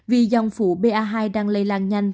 vì dòng phụ pa hai đang lây lan nhanh